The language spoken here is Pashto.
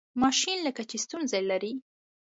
ماشین لکه چې ستونزه لري.